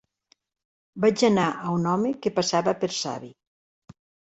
vaig anar a un home que passava per savi